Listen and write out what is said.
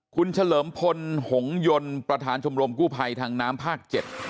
คุณเฉลิมพลหงยนต์ประธานชมรมกู้ภัยทางน้ำภาค๗